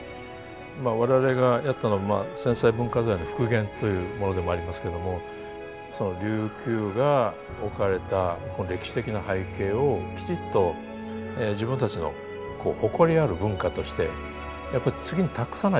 まあ我々がやったのは戦災文化財の復元というものでもありますけども琉球が置かれた歴史的な背景をきちっと自分たちのこう誇りある文化としてやっぱ次に託さないといけないと思うんですね。